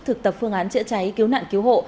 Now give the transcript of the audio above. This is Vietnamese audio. thực tập phương án chữa cháy cứu nạn cứu hộ